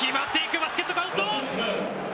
バスケットカウント！